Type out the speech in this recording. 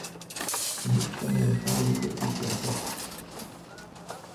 Θυμήθηκα μερικά λόγια της Γιαγιάς